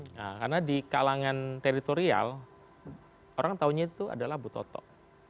nah karena di kalangan teritorial orang tahunya itu adalah bu toto